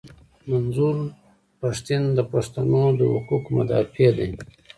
منظور پښتین د پښتنو د حقوقو مدافع دي.